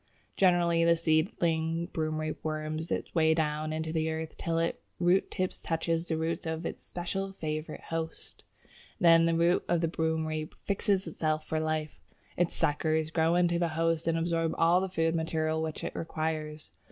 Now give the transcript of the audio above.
Generally the seedling Broomrape worms its way down into the earth till its root tip touches the root of its special favourite host, then the root of the Broomrape fixes itself for life; its suckers grow into the host and absorb all the food material which it requires.